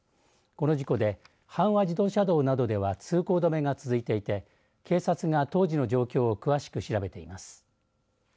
この事故で阪和自動車道などでは通行止めが続いていて警察が当時の状況を詳しく調べています。